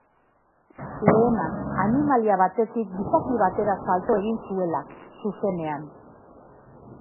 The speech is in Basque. Lehena, animalia batetik gizaki batera salto egin zuela, zuzenean.